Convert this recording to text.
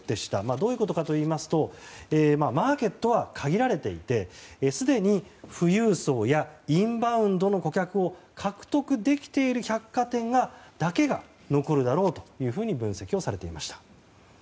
どういうことかといいますとマーケットは限られていてすでに富裕層やインバウンドの顧客を獲得できている百貨店だけが残るだろうと分析されていました。